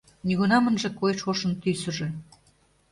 Нигунам ынже кой шошын тӱсыжӧ